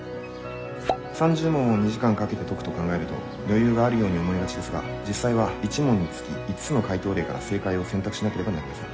「３０問を２時間かけて解くと考えると余裕があるように思いがちですが実際は１問につき５つの解答例から正解を洗濯しなければなりません」。